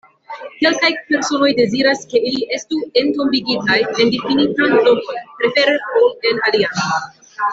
Kelkaj personoj deziras ke ili estu entombigitaj en difinitan lokon, prefere ol en alian.